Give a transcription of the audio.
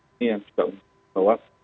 ini yang juga untuk menunjukkan bahwa